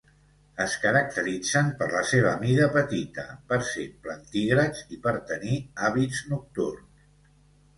Es caracteritzen per la seva mida petita, per ser plantígrads i per tenir hàbits nocturns.